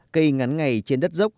cây ngắn ngày trên đất dốc